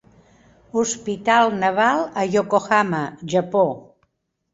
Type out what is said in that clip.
Hospital Naval a Yokohama (Japó).